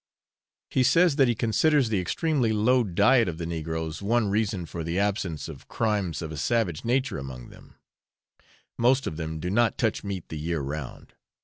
He says that he considers the extremely low diet of the negroes one reason for the absence of crimes of a savage nature among them; most of them do not touch meat the year round.